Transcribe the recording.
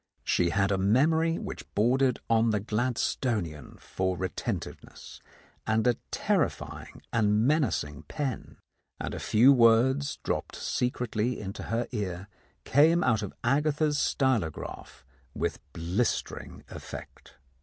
She had a memory which bordered on the Gladstonian for retentiveness, and a terrifying and menacing pen, and a few words dropped secretly into her ear came out of Agatha's stylograph with blistering effect.